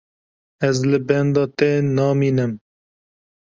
Ez li benda te namînim.